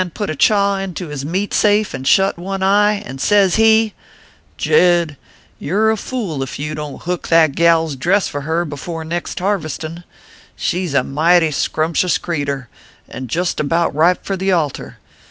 put a chaw into his meat safe, and shut one eye ; and, sez he :( Jed, you re a fool ef you don t hook that gal s dress fur her before next harvestin . She s a mighty scrumptious creetur, and just about ripe for the altar.